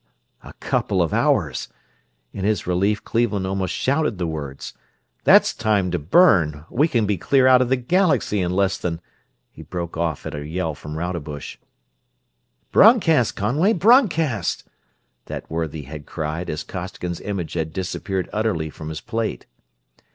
"A couple of hours!" In his relief Cleveland almost shouted the words. "That's time to burn. We can be clear out of the Galaxy in less than...." He broke off at a yell from Rodebush. "Broadcast, Conway, broadcast!" that worthy had cried, as Costigan's image had disappeared utterly from his plate.